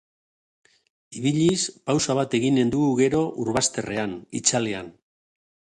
Ibiliz, pausa bat eginen dugu gero urbazterrean, itzalean.